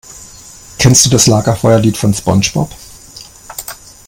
Kennst du das Lagerfeuerlied von SpongeBob?